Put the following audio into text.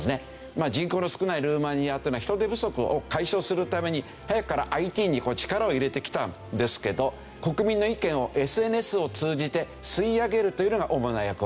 人口の少ないルーマニアというのは人手不足を解消するために早くからＩＴに力を入れてきたんですけど国民の意見をＳＮＳを通じて吸い上げるというのが主な役割。